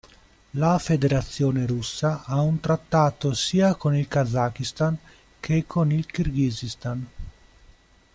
La Federazione russa ha un trattato sia con il Kazakistan che con il Kirghizistan.